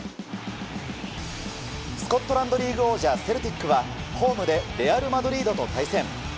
スコットランドリーグ王者セルティックはホームでレアル・マドリードと対戦。